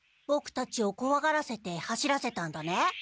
ボクたちをこわがらせて走らせたんだね。